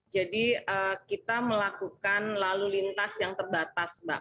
jadi kita melakukan lalu lintas yang terbatas mbak